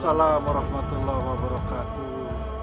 waalaikumsalam warahmatullahi wabarakatuh